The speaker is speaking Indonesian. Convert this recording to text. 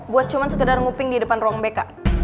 buat cuma sekedar nguping di depan ruang bk